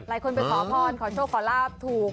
หลายคนไปขอพรขอโชคขอลาบถูก